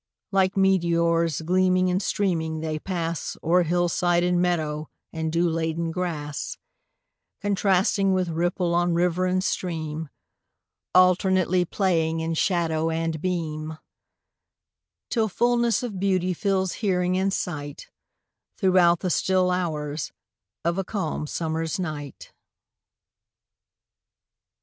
Like meteors, gleaming and streaming, they pass O'er hillside and meadow, and dew laden grass, Contrasting with ripple on river and stream, Alternately playing in shadow and beam, Till fullness of beauty fills hearing and sight Throughout the still hours of a calm summer's night.